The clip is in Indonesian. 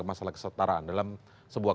masalah kestaraan dalam sebuah